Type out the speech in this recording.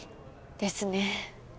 ですね。